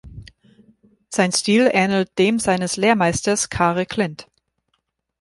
Sein Stil ähnelt dem seines Lehrmeisters Kaare Klint.